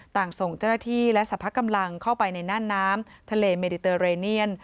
ส่งเจ้าหน้าที่และสรรพกำลังเข้าไปในน่านน้ำทะเลเมดิเตอร์เรเนียน